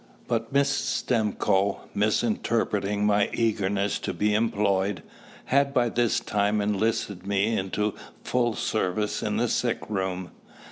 But Mrs. Stimcoe, misinterpreting my eagerness to be employed, had by this time enlisted me into full service in the sick room.